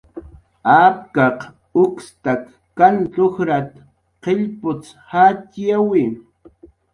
"Apkaq ukstak kant ujrat"" qillp utz jayyawi."